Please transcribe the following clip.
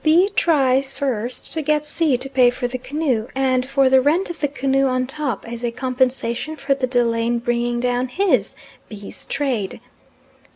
B. tries first to get C. to pay for the canoe, and for the rent of the canoe on top, as a compensation for the delay in bringing down his, B's., trade.